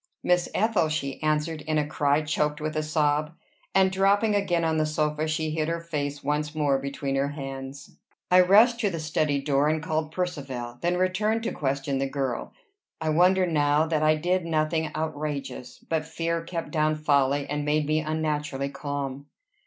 "Miss Ethel," she answered in a cry choked with a sob; and dropping again on the sofa, she hid her face once more between her hands. I rushed to the study door, and called Percivale; then returned to question the girl. I wonder now that I did nothing outrageous; but fear kept down folly, and made me unnaturally calm.